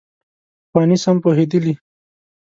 پخواني سم پوهېدلي.